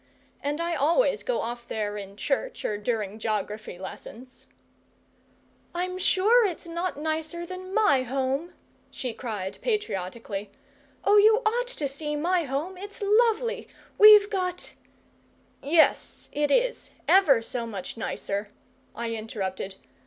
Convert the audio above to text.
And I always go off there in church, or during joggraphy lessons." "I'm sure it's not nicer than my home," she cried patriotically. "Oh, you ought to see my home it's lovely! We've got " "Yes it is, ever so much nicer," I interrupted.